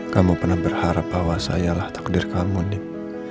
kamu pernah berharap bahwa sayalah takdir kamu nih